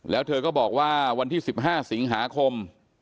แล้วเธอก็บอกว่าวันที่๑๕สิงหาคม